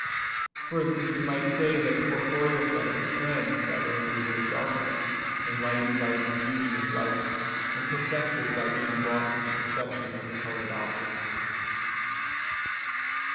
For instance, we might say that corporeal sight is cleansed by the removal of darkness; enlightened by the diffusion of light; and perfected by being brought to the perception of the colored object.